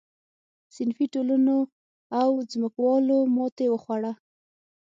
صنفي ټولنو او ځمکوالو ماتې وخوړه.